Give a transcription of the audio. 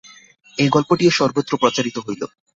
এ গল্পটিও সর্বত্র প্রচারিত হইল।